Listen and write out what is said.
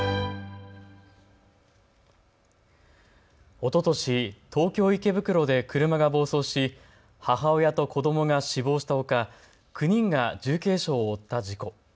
おととし、東京池袋で車が暴走し母親と子どもが死亡したほか９人が重軽傷を負った事故。